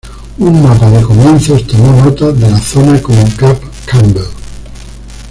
Un mapa de comienzos tomó nota de la zona como Gap Campbell.